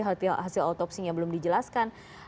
hasil autopsinya belum dijelaskan